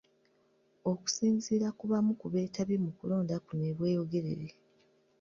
Okusinziira ku bamu ku beetabye mu kulonda kuno e Bweyogerere.